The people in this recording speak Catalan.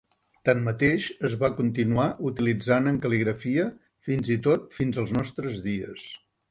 Tanmateix, es va continuar utilitzant en cal·ligrafia fins i tot fins als nostres dies.